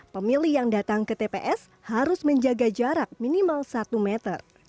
pemilih yang datang ke tps harus menjaga jarak minimal satu meter